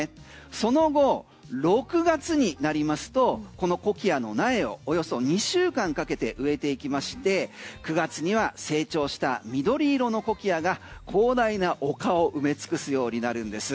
その後、６月になりますとこのコキアの苗をおよそ２週間かけて植えていきまして９月には成長した緑色のコキアが広大な丘を埋め尽くすようになるんです。